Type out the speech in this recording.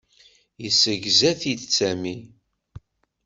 Yessegza-t-id Sami.